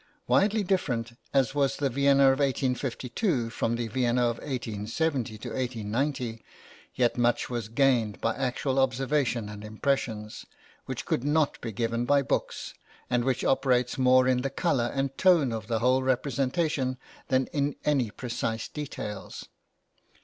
Widely different as was the Vienna of 1852 from the Vienna of 1780 to 1790, yet much was gained by actual observation and impressions, which could not be given by books, and which operates more in the colour and tone of the whole representation that in any precise details.